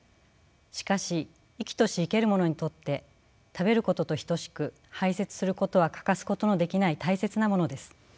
しかし生きとし生けるものにとって食べることと等しく排泄することは欠かすことのできない大切なものです。